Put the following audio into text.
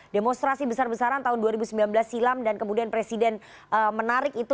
demonstrasi besar besaran tahun dua ribu sembilan belas silam dan kemudian presiden menarik itu